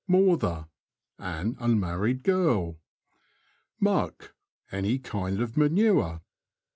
Mawther. — An unmarried girl. Muck. — Any kind of manure.